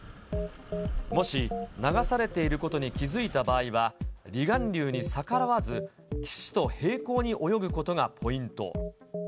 もし流されていることに気付いた場合は、離岸流に逆らわず、岸と平行に泳ぐことがポイント。